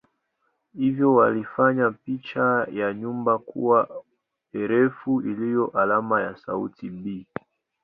Hivyo walifanya picha ya nyumba kuwa herufi iliyo alama ya sauti "b".